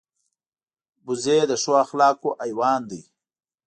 وزې د ښو اخلاقو حیوان دی